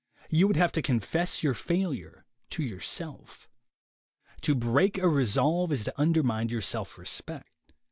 Y'ou would have to confess your failure to your self. To break a resolve is to undermine your self respect.